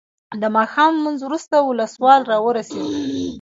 د ماښام لمونځ وروسته ولسوال راورسېد.